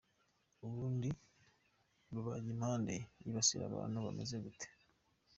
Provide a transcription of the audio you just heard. Ubundi rubagimpande yibasira abantu bameze gute ?.